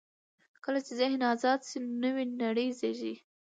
کله چې ذهن آزاد شي، نوې نړۍ زېږي.